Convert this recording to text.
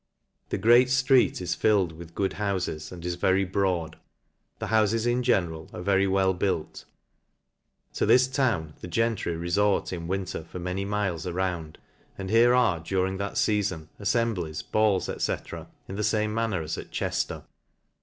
The great flreet is filled with good houfes, and \s very broad. The houfes in general are very well built. To this town the gentry refort in winter for many miles round ; and here are, during that fea fon, aflemblies, balls, bV. in the fame manner as at Chejler.